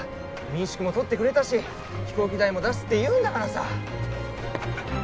民宿も取ってくれたし飛行機代も出すって言うんだからさ。